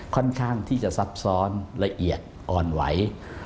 ค่อนข้างที่จะซับซ้อนละเอียดอ่อนไหว